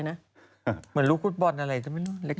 เหมือนลูกกรุ๊ดบอทอะไรจาไม๊นู่น